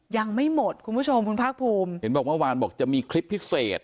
ยังไม่หมดคุณผู้ชมคุณภาคภูมิเห็นบอกเมื่อวานบอกจะมีคลิปพิเศษ